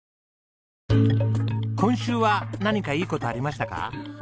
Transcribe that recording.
今週は何かいい事ありましたか？